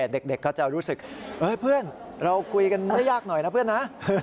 เด็กก็จะรู้สึกเพื่อนเราคุยกันได้ยากหน่อยนะเพื่อนนะ